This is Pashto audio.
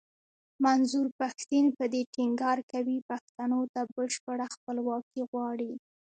منظور پښتين په دې ټينګار کوي پښتنو ته بشپړه خپلواکي غواړي.